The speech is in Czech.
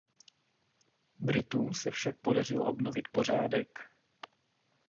Britům se však podařil obnovit pořádek.